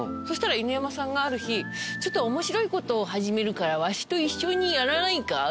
そしたら犬山さんがある日「ちょっと面白いことを始めるからわしと一緒にやらないか？」